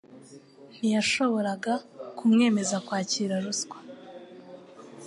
Ntiyashoboraga kumwemeza kwakira ruswa